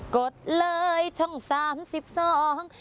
กดเลยช่อง๓๒